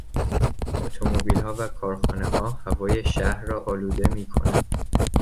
اتومبیلها و کارخانهها هوای شهر را آلوده میکنند.